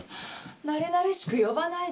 なれなれしく呼ばないで。